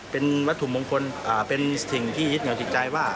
เป็นวัตถุมงคลเป็นสิ่งที่ยึดเหนียวจิตใจว่า